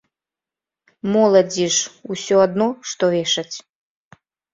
Моладзі ж усё адно, што вешаць.